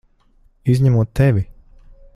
Izņemot tevi!